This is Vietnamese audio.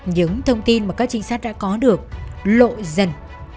những thông tin mà các trinh sát đã có được lộ dần